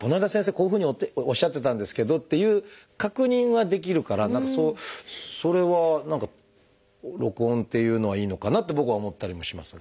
こういうふうにおっしゃってたんですけど」っていう確認はできるから何かそれは録音っていうのはいいのかなって僕は思ったりもしますが。